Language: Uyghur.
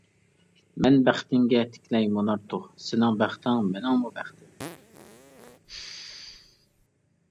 مەن بەختىڭگە تىكلەي مۇنار تۇغ، سېنىڭ بەختىڭ مېنىڭمۇ بەختىم!